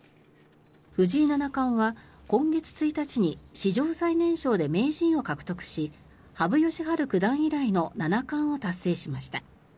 藤井七冠は今月１日に史上最年少で名人を獲得し羽生善治九段以来の七冠を達成しました。